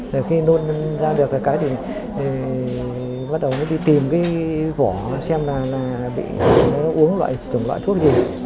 rồi khi nôn ra được cái cái thì bắt đầu đi tìm cái vỏ xem là bị uống loại thuốc gì